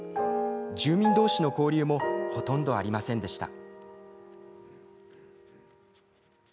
住民どうしの交流もほとんどありませんでした。